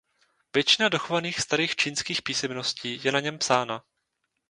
Většina dochovaných starých čínských písemností je na něm psána.